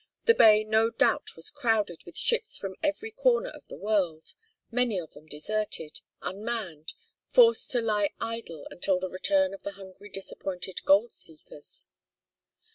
The bay no doubt was crowded with ships from every corner of the world, many of them deserted, unmanned, forced to lie idle until the return of the hungry disappointed gold seekers.